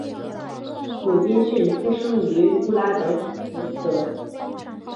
鲁宾逊出生于布拉德福德。